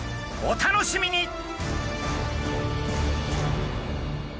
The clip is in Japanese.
お楽しみに！